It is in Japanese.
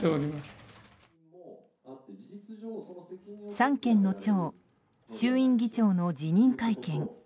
三権の長衆院議長の辞任会見。